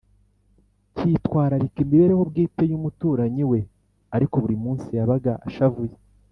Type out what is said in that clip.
Kwitwararika Imibereho Bwite Y Umuturanyi We Ariko Buri Munsi Yabaga Ashavuye